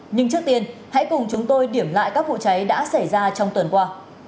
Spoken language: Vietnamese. nhưng trước tiên hãy cùng chúng tôi điểm lại các vụ cháy đã xảy ra trong tuần qua